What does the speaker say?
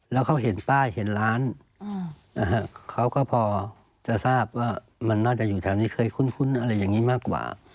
แล้วเขาเห็นป้ายเห็นร้านเขาก็พอจะทราบว่ามันน่าจะอยู่แถวนี้เคยคุ้นอะไรอย่างนี้มากกว่า